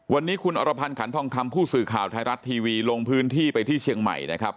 วันนี้คุณอรพันธ์ขันทองคำผู้สื่อข่าวไทยรัฐทีวีลงพื้นที่ไปที่เชียงใหม่นะครับ